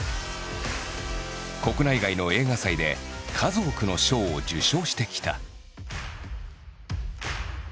国内外の映画祭で数多くの賞を受賞してきた。